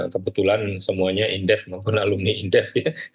kebetulan semuanya indef maupun alumni indef ya